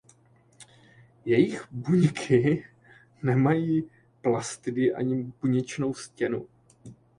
Jejich buňky nemají plastidy ani buněčnou stěnu.